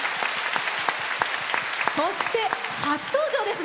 そして、初登場です